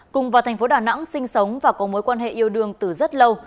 cùng vào thành phố đà nẵng sinh sống và có mối quan hệ yêu đương từ rất lâu